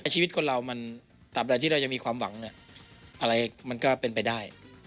ชีวิตคนเรามันตามใดที่เราจะมีความหวังอะไรมันก็เป็นไปได้